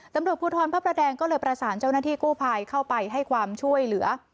ตำรวจภูทรพระประแดงก็เลยประสานเจ้าหน้าที่กู้ภัยเข้าไปให้ความช่วยเหลือ